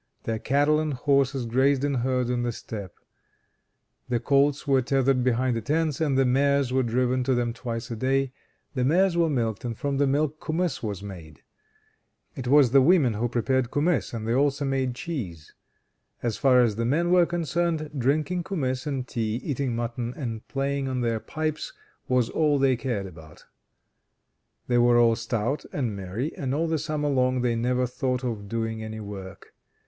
Their cattle and horses grazed in herds on the steppe. The colts were tethered behind the tents, and the mares were driven to them twice a day. The mares were milked, and from the milk kumiss was made. It was the women who prepared kumiss, and they also made cheese. As far as the men were concerned, drinking kumiss and tea, eating mutton, and playing on their pipes, was all they cared about. They were all stout and merry, and all the summer long they never thought of doing any work.